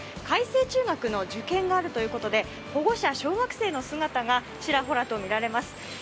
開成中学の受験があるということで保護者、小学生の姿がちらほらと見られます。